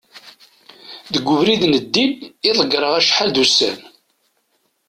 deg ubrid n ddin i ḍegreɣ acḥal d ussan